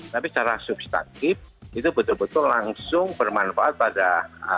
tapi secara substantif itu betul betul langsung bermanfaat pada